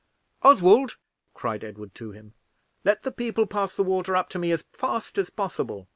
"Oswald," cried Edward to him, "let the people pass the water up to me as fast as possible.